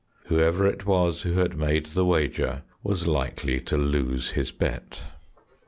Whoever it was who had made the wager was likely to lose his bet.